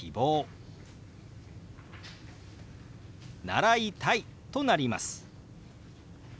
「習いたい」となります。